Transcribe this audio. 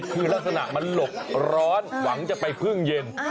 คือลักษณะมันหลบร้อนหวังจะไปพึ่งเย็น